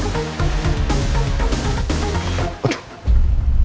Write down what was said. tidak ada bayangan